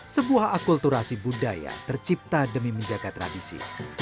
sebuah akulturasi budaya tercipta demi menjaga tradisi